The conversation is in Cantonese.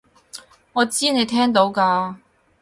我知你聽到㗎